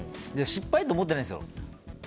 失敗だと思ってないんですよ。